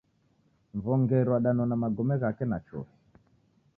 Mw'ongeri wadanona magome ghake na chofi.